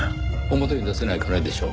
表に出せない金でしょう。